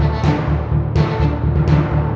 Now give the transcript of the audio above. ได้ครับ